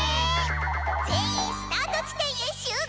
「全員スタート地点へ集合！」。